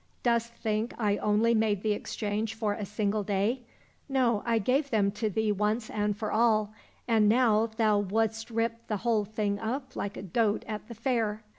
" Dost think I only made the exchange for a single day ? No, I gave them to thee once and for all, and now thou wouldst rip the whole thing up like a goat at the fair.